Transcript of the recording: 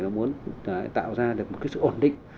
nó muốn tạo ra một sự ổn định